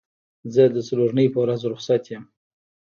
زه د څلورنۍ په ورځ روخصت یم